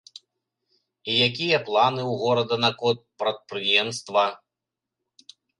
І якія планы ў горада наконт прадпрыемства.